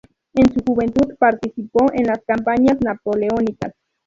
En su juventud participó en las campañas napoleónicas.